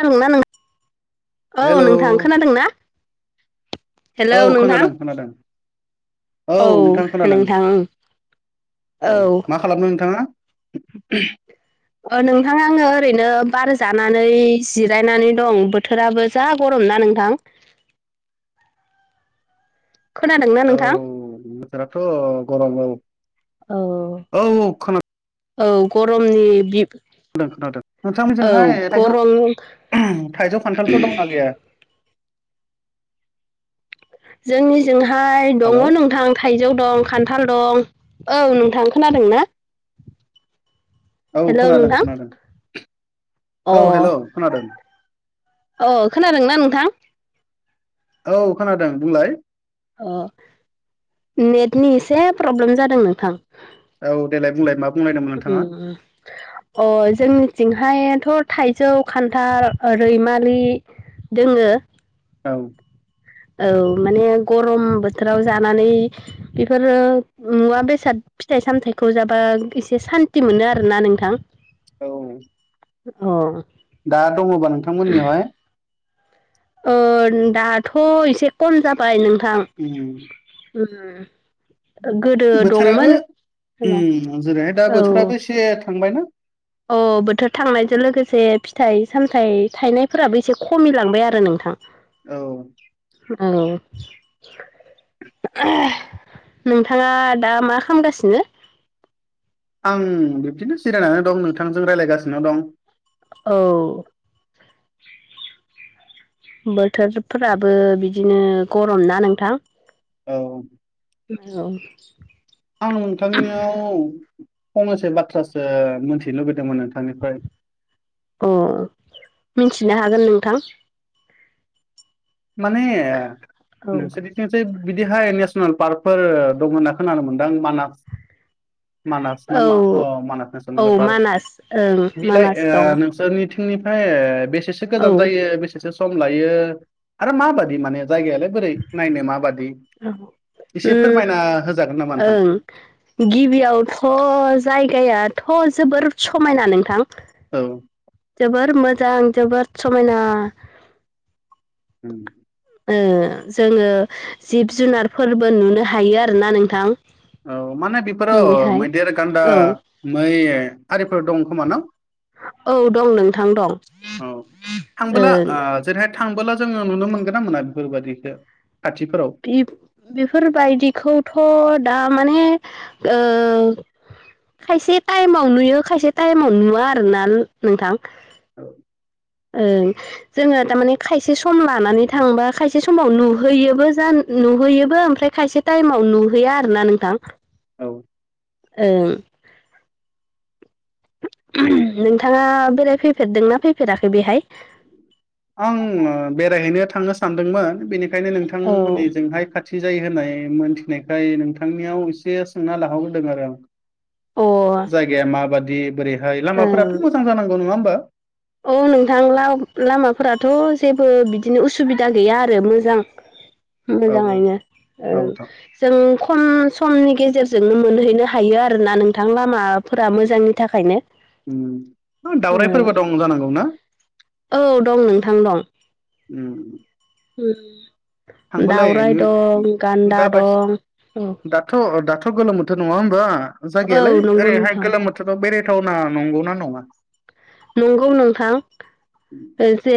खोनादोंना नों औ हेलौ नोंथां खोनादोंना? औ हेलौ नोंथां! खोनादों खोनादों औ नोंथां खोनादों नोंथां औ खालामनो नोंथाङा? ओ नोंथां आङो ओरैनो बार जानानै जिरायनानै दं बोथोराबो जा गरम ना नोंथां। खोनादोंना औ नोंथां बोथोराथ' गरम औ। औ औ खोना औ गरमनि बि [unintelligible] खोनादों औ नोंथांमोनजोंहाय थाइजौ गरम [unintelligible] थाइजौ खान्थालफोर दंना गैया? जोंनिजोंहाय दङ' हेलौ नोंथां। थाइजौ दं खान्थाल दं औ नोंथां खोनादों ना? औ हेलौ खोनादों नोंथां खोनादों अ औ हेल' खोनादों। अ खोनादोंना नोंथां? औ खोनादों बुंलाय। अ नेटनि एसे प्रब्लेम जादों नोंथां। औ देलाय बुंलाय मा बुंलायदोंमोन उम नोंथाङा। उम अ जोंनिथिंहायाथ' थाइजौ, खान्थाल, रैमालि दोङो औ औ माने गरम बोथोराव जानानै बेफोरो मुवा बेसाद फिथाइ सामथायाइखौ जाबा एसे सान्थि मोनो आरोना नोंथां। औ अ दा दङ'बा नोंथांमोननिहाय? दाथ' एसे खम जाबाय नोंथां। उम। [unintelligible] गोदो बोथोराबो दंमोन हबा औ [unintelligible] थांबाय ना अ बोथोर थांनायजों लोगोसे फिथाइ सामथायाइ थायनायफोराबो एसे खमिलांबाय आरो नोंथां। औ। औ। [unintelligible] नोंथाङा दा मा खामगासिनो? आं बिबदिनो जिरायनानै दं नोंथांजों रायज्लायगासिनो दं। औ। बोथोरफ्राबो बिदिनो गरम ना नोंथां। औ [unintelligible] आं नोंथांनियाव फंनैसो बाथ्रासो मिथिनो लुबैदोंमोन नोंथांनिफ्राय। अ मिन्थिनो हागोन नोंथां। माने ओ [unintelligible] औ [unintelligible] बिदिहाय नेसनेल पार्कफोर दं होनना खोनानो [unintelligible] मानास मानास ना मा औ मानास औ नेसनेल पार्क मानास ओं बिलाय मानास दं ओ [unintelligible] [unintelligible] बेसेसो औ गोजान जायो बेसेसो सम लायो आरो माबादि माने जायगायालाय बोरै नायनो माबादि? उम एसे फोरमायना होजागोन नामा नोंथां? [unintelligible] गिबियावथ' जायगायाथ' जोबोर समायना नोंथां। औ। जोबोर मोजां जोबोर समायना। [unintelligible] ओ जोङो जिब जुनारफोरबो नुनो हायो आरोना नोंथां। औ माने बेफोरो बेहाय मैदेर गान्दा औ मै आरिफोर दं खोमा न'? औ दं नोंथां दं औ थांबोला ओं ओ जेरैहाय थांबोला जोङो नुनो मोनगोन ना मोना बेफोरबायादिखौ खाथिफोराव? बेफोरबायदिखौथ' द माने ओ खायसे टाइमाव नुयो खायसे टाइमावा नुवा आरोना नोंथां। ओं जोङो थारमाने खायसे सम लानानै थांबा खायसे समाव नुहैयोबो जा नुहैयोबो ओमफ्राय खायसे टाइमाव नुहैया आरो ना नोंथां। औ ओं नोंथाङा बेलायफै फेरदोंना फैफेराखै बेहाय आं ओ बेरायहैनो थांनो सानदोंमोन बेनिखायनो औ नोंथांमोननिजोंहाय खाथ थि जायो होननाय मोनथिनायखाय नोंथांनियाव एसे सोंना लाहरगोरदों आरो आं। अ ओं जायगाया माबादि बोरैहाय लामाफोराथ' मोजां जानांगौ नङा होमबा? औ नोंथां लाव लामाफोराथ' जेबो बिदिनो उसुबिदा गैया आरो मोजां। औ औ मोजाङैनो ओं जों खम समनि गेजेरजोंनो मोनहैनो हायो आरोना नोंथां। लामाफोरा मोजांनि थाखायनो उम ओ दावरायफोरबो दं जानांगौ ना? औ दं नोंथां दं। उम उम दावराय दं गान्दा दं। औ थ' दाथ' गोलोम बोथोर नङा होमबा औ जागायालाय नंगौ ओरैहाय नोंथां गोलोम बोथ थोराव बेराथावना नंगौना नङा? नंगौ नोंथां। ओ जे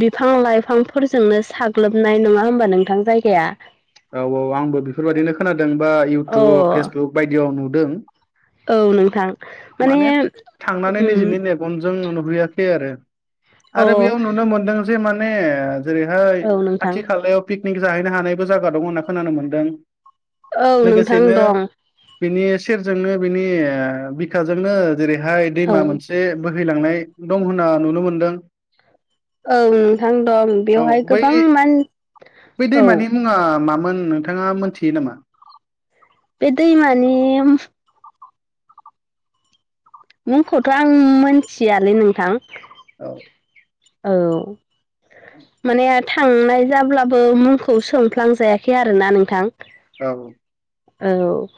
बिफां लाइफांफोरजोंनो साग्लोबनाय नङा होमबा नोंथां जायगाया? औ औ आंबो बेफोरबायदिनो खोनादों बा अ इउटुब फेसबुक बायदियाव नुदों। औ नोंथां माने उम बनजों नु-नुबैयाखै आरो अ आरो बेयाव नुनो मोनदों जे माने ओ जेरैहाय औ नोंथां खाथि खालायाव पिकनिक जाहैनो हानायबो जागा दं होनना खोनानो मोनदों। औ नोंथां लोगोसेनो दं बिनि सेरजोंनो बिनि ओ बि खाजोंनो जेरैहाय औ दैमा मोनसे बोहैलांनाय दं होनना नुनो मोनदों। औ नोंथां दं औ बेवहाय गोबां बै मान बै औ दैमानि मुङा मामोन नोंथाङा मोनथियो नामा? बे दैमानि मुंखौथ' आं मोनथियालै नोंथां। औ औ माने आथ थांनाय जाब्लाबो मुंखौ सोंफ्लांजायाखै आरोना नोंथां। औ औ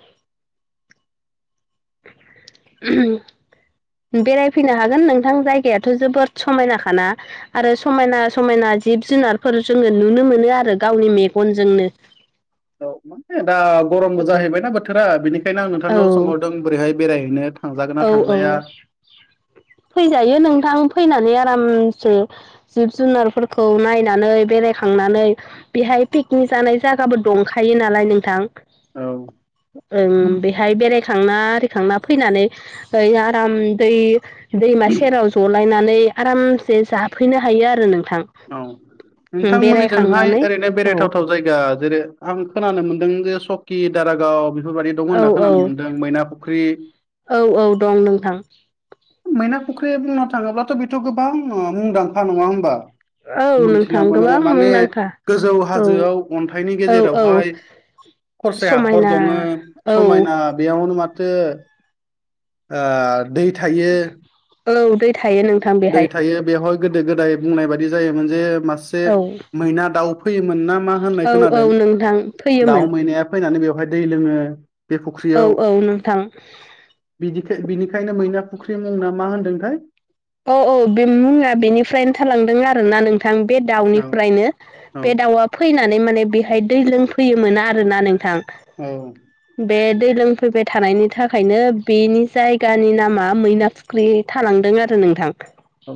बेरायफैनो हागोन नोंथां जायगायाथ' जोबोद समायना खाना। आरो समायना समायना जिब जुनारफोर जोङो नुनो मोनो आरो गावनि मेगनजोंनो। औ माने दा गरमबो जाहैबायना बोथोरा बेनिखायनो आं औ नोंथांनाव सोंहरदों बोरैहाय बेरायहैनो। थांजागोन ना औ औ थांजाया फैजायो नोंथां फैनानै आरामसे जिब जुनारफोरखौ नायनानै बेरायखांनानै बेहाय पिकनिक जानाय जागाबो दंखायो नालाय नोंथां। औ ओं बेहाय बेरायखांना आरिखांना फैनानै ओय आराम दै दैमा सेराव ज' लायनानै आरामसे जाफैनो हायो आरो नोंथां। औ नोंथांमोननिजोंहाय बेरायखांनानै ओरैनो औ बेरायथावथाव जायगा जेरै आं खोनानो मोन्दों जे सकि, दारागाव बेफोरबायदि दं औ होनना औ खोनानो मोनदों। मैना फुख्रि औ औ दं नोंथां ओ मैना फुख्रि बुंनो थाङोब्लाथ' बेथ' गोबां ओ मुंदांखा नङा होमबा? औ मोनथिना नोंथां मोनो गोबां माने मुंदांखा गोजौ औ हाजोआव अन्थाइनि औ गेजेरावहाय औ खरसे हाखर समायना दङो औ समायना बेयावनो माथो आ दै थायो। औ दै थायो नों दै थायो बेवहाय गोदो गोदाय बुंनाय बायदि जायोमोन जे मासे औ मैना दाउ फैयोमोन ना मा होननाय औ औ खोनादों नोंथां फैयोमोन दाउ मैनाया फैनानै बेवहाय दै लोङो बे औ फुख्रियाव। औ नोंथां बिदिखे बिनिखायनो मैना फुख्रि मुंना मा होनदोंथाय? औ-औ बे मुङा बेनिफ्रायनो थालांदों आरोना नों थां बे औ दाउनिफ्रायनो औ बे दाउआ फैनानै माने बेहाय दै लोंफैयोमोन आरोना नोंथां। औ बे दै लोंफैबाय थानायनि थाखायनो बेनि जायगानि नामा मैना फ'ख्रि थालांदों आरो नोंथां। औ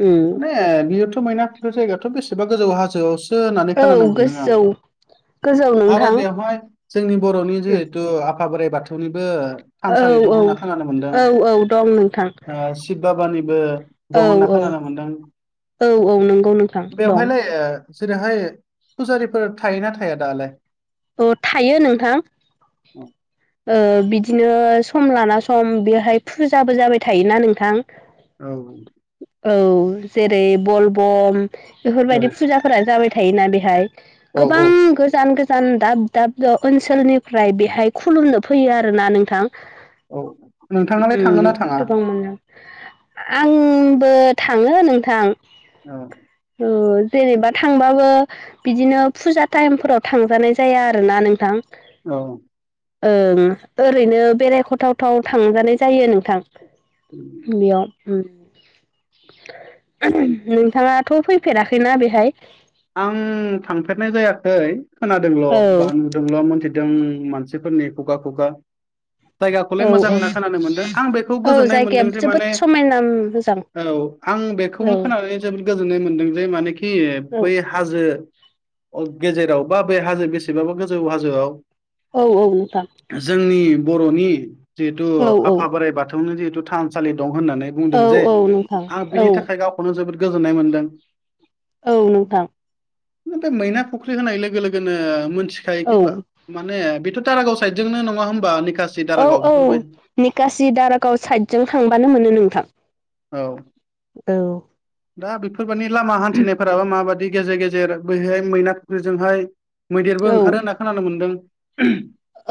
उम बियोथ' मैना खु जायगायाथ' बेसेबा गोजौ हाजोआव सो होननानै औ खोनानो मोनदों आं गोजौ गोजौ आरो नोंथां बेवहाय जोंनि बर'नि जिहेतु आफा बोराइ बाथौ निबो औ थानसालि दं औ होनना खोनानो मोनदों औ औ दं नोंथां ओ शिब बाबानिबो। दं औ होनना औ खोनानो मोनदों औ औ नंगौ नोंथां दं बेवहायलाय जेरैहाय फुजारिफोर थायोना थाया दालाय? अ थायो नोंथां। औ ओ बिदिनो सम लाना सम बेहाय फुजाबो जाबाय थायोना नोंथां। औ औ जेरै बलबम औ बेफोरबायदि फुजाफोरा जाबाय थायोना बेहाय। औ औ गोबां गोजान-गोजान दाब-दाब द ओनसोलनिफ्राय बेहाय। खुलुमनो फैयो आरोना नोंथां औ नोंथाङालाय उम थाङोना थाङा गोबां मोनो। आंबो थाङो नोंथां। औ औ जेनेबा थांबाबो बिदिनो फुजा टाइमफोराव थांजानाय जाया आरोना नोंथां। औ ओं ओरैनो बेरायखथावथाव थांजानाय जायो नोंथां। बियाव। नोंथाङाथ' फैफेराखैना बेहाय? आं थांफेरनाय जायाखै खोनादोंल' औ ब जोंल' मोनथिदों मानसिफोरनि खुगा-खुगा जायगाखौलाय औ मोजां औ होनना खोनानो मोनदों आं बेखौ औ गोजोननाय जायगाया मोनदों। जे जोबोद माने समायना मोजां औ आं औ बेखौनो खोनानानै जोबोद गोजोननाय मोनदों। जे मानेखि औ बै हाजो गेजेराव बा बे हाजो बेसेबाबा गोजौ हाजोआव औ-औ नोंथां। जोंनि बर'नि जिहेथु औ औ आफा बोराइ बाथौनि जिहेथु थानसालि दं होननानै औ बुंदों जे औ नोंथां आं औ बिनि थाखाय गावखौनो जोबोद गोजोननाय मोनदों। औ नोंथां। बे मैना फुख्रि होनाय लोगो-लोगो नो औ मोनथिखायोखैबा माने बेथ' दारागाव साइदजोंनो नङा होमबा निकास? औ-औ निकासि दारागाव साइदजों थांबानो मोनो नोंथां। औ औ दा बेफोरबायदि लामा हान्थिनायफोराबो माबादि गेजेर गेजेर बैहाय मैना थुख्रिजोंहाय मैदेरबो औ ओंखारो होनना खोनानो मोन्दों?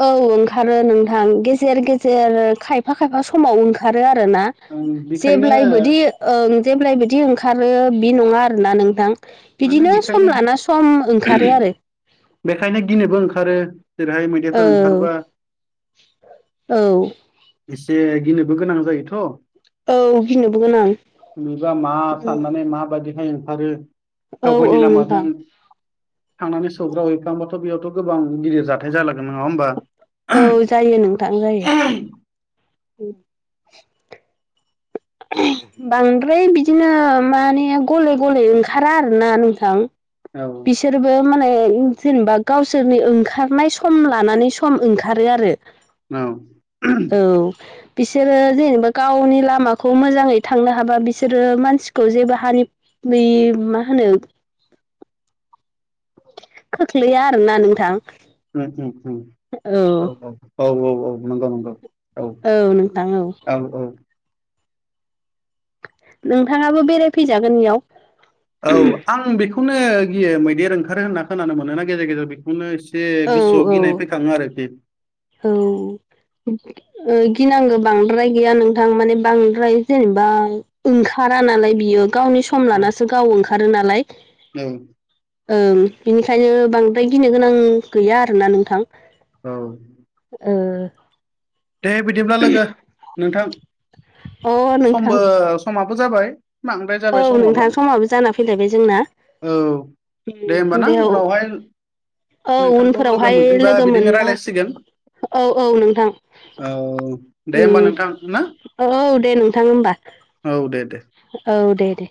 औ ओंखारो नोंथां गेजेर-गेजेर खायफा-खायफा समाव ओंखारो आरो ना। ओं बेखायनो जेब्लायबोदि ओं जेब्लायबोदि ओंखारो बि नङा आरोना नोंथां। माने बिदिनो सम लाना बेखायनो सम ओंखारो आरो। बेखायनो गिनोबो ओंखारो जेरैहाय मैदाइफोर ओंखारबा औ औ एसे गिनोबो गोनां जायोथ' औ गिनोबो गोनां बिबा मा साननानै माबायदिहाय ओंखारो औ गाव गावनि औ लामाजों नोंथां थांनानै सौग्राव हैैफ्लांबाथ' बेयावथ' गोबां गिदिर जाथाय जालागोन नङा होमबा औ जायो नोंथां जायो बांद्राय बिदिनो माने गले गले ओंखारा आरोना नोंथां औ बिसोरबो माने जेनेबा गावसोरनि ओंखारनाय सम लानानै सम ओंखारो आरो औ बिसोरो जेनेबा गावनि लामाखौ खौ मोजाङै थांनो हाबा बिसोरो मानसिखौ जेबो हानि मा होनो खोख्लैया आरोना नोंथां औ औ औ औ नंगौ नंगौ औ आङो औ औ नोंथाङाबो बेरायफैजागोन बेयाव औ आं बेखौनो गियो मैदेर ओंखारो होनना खोनानो मोन ना गेजेर गेजेर बेखौनो औ औ [unintelligible] औ गिनांगौ बांद्राय गैया नोंथां माने बांद्राय जेनेबा ओं खारा नालाय बियो गावनि सम औ लानासो गाव ओंखारो नालाय औ बिनिखायनो बांद्राय गिनो गोनां गैया आरोना नोंथां औ [inaudible] दे बिदिब्ला लोगो नोंथां ओ अ नोंथां समबो समाबो जाबाय बांद्राय जाबाय औ नोंथां समाबो जाना फैलायबाय जोंना औ दे होमबाना उनावहाय औ नोंथांखौ लोगो उनफोरावहाय मोनफिनबा लोगो बिदिनो मोनबा रायज्लायसिगोन औ औ नोंथां औ दे होमबा नोंथां ना औ दे नोंथां होमबा औ दे दे औ दे दे